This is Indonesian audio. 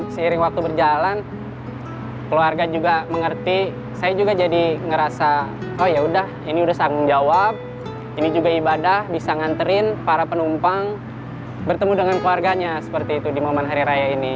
seiring waktu berjalan keluarga juga mengerti saya juga jadi ngerasa oh yaudah ini udah tanggung jawab ini juga ibadah bisa nganterin para penumpang bertemu dengan keluarganya seperti itu di momen hari raya ini